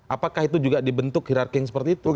apakah itu juga dibentuk hirarking seperti itu